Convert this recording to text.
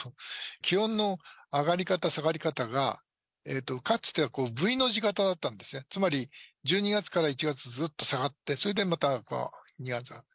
気温の上がり方、下がり方が、かつてはＶの字型だったんですね、つまり、１２月から１月ずっと下がって、それでまた２月に上がる。